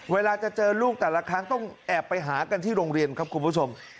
เวลาจะเจอลูกแต่ละครั้งต้องแอบไปหากันที่โรงเรียนครับคุณผู้ชม